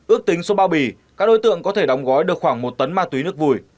ước tính số bao bì các đối tượng có thể đóng gói được khoảng một tấn ma túy nước vùi